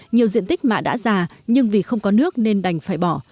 nhiều diện tích mạ đã già nhưng vì không có nước nên đành phải bỏ